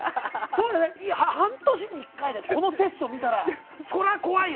半年に１回でこのセッション見たらそりゃ怖いよ。